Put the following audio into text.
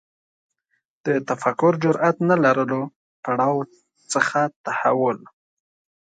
د تفکر جرئت نه لرلو پړاو څخه تحول